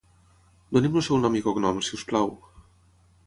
Doni'm el seu nom i cognoms si us plau.